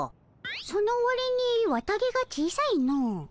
そのわりに綿毛が小さいのう。